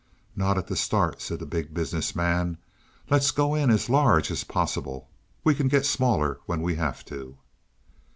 "Not at the start," said the Big Business Man. "Let's go in as large as possible; we can get smaller when we have to."